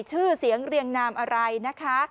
ชื่อเสียงเรียงนามอะไรนะคะ